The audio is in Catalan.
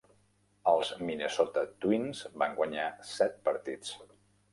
Els Minnesota Twins van guanyar set partits.